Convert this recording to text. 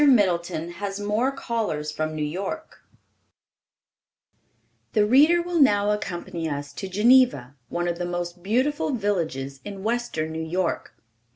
MIDDLETON HAS MORE CALLERS FROM NEW YORK The reader will now accompany us to Geneva, one of the most beautiful villages in Western New York.